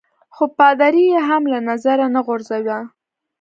خو پادري يي هم له نظره نه غورځاوه.